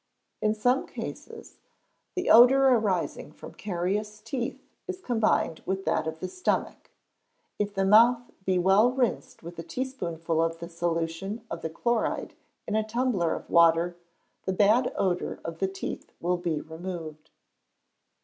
In some cases, the odour arising from carious teeth is combined with that of the stomach. If the mouth be well rinsed with a teaspoonful of the solution of the chloride in a tumbler of water, the bad odour of the teeth will be removed.